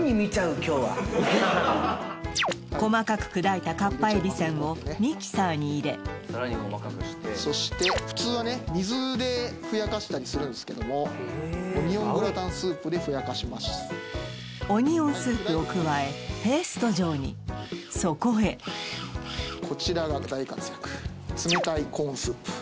今日は細かく砕いたかっぱえびせんをミキサーに入れそして普通はね水でふやかしたりするんですけどもオニオングラタンスープでふやかしますオニオンスープを加えペースト状にそこへこちらが大活躍冷たいコーンスープ